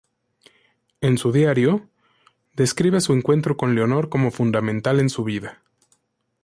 En su diario, describe su encuentro con Leonor como fundamental en su vida.